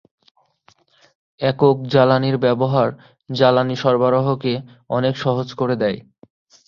একক জ্বালানির ব্যবহার জ্বালানি সরবরাহকে অনেক সহজ করে দেয়।